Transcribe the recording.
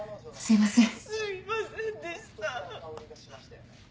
すいませんでした。